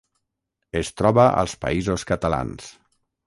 Es troba als Països Catalans.